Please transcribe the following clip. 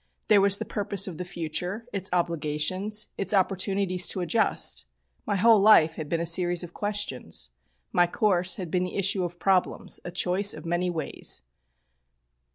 There was the purpose of the future, its obligations, its opportunities to adjust. My whole life had been a series of questions. My course had been the issue of problems, a choice of many ways.